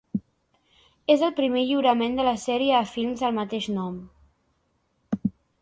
És el primer lliurament de la sèrie de films del mateix nom.